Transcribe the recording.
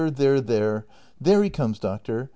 There he comes, doctor.